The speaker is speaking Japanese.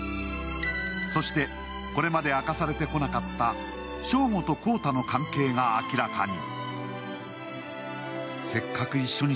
そして、これまで明かされてこなかった章吾と耕太の関係が明らかに。